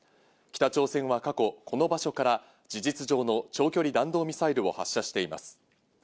北朝鮮は過去、この場所から事実上の長距離弾道ミサイルを発射しています。